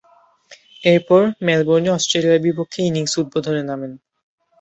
এরপর, মেলবোর্নে অস্ট্রেলিয়ার বিপক্ষে ইনিংস উদ্বোধনে নামেন।